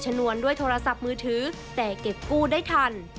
นวนด้วยโทรศัพท์มือถือแต่เก็บกู้ได้ทัน